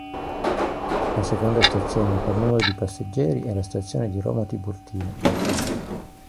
La seconda stazione per numero di passeggeri è la stazione di Roma Tiburtina.